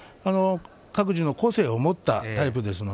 各自の個性を持ったタイプです。